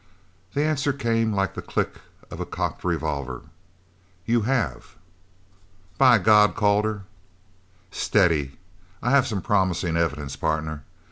The answer came like the click of a cocked revolver. "You have!" "By God, Calder " "Steady! I have some promising evidence, partner.